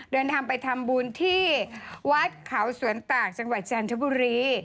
เดินทางไปทำบุญที่วัดเขาสวนตากจังหวัดจันทบุรี